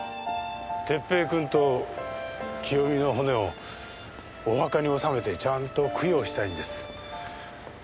哲平くんと清美の骨をお墓に納めてちゃんと供養したいんです。